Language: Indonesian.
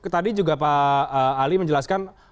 tadi juga pak ali menjelaskan